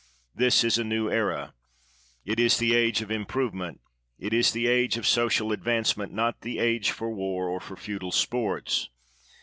This is a new era. It is the age of improvement ; it is the age of social advancement, not the age for war or for feudal sports.